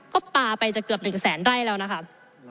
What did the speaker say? ก็ปลาไปจะเกือบ๑แสนไร่แล้วนะครับ